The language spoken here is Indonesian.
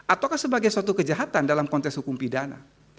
ataukah sebagai suatu kejahatan dalam konteks hukum pidana